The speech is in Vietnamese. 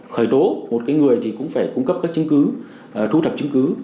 khởi tố một người thì cũng phải cung cấp các chứng cứ thu thập chứng cứ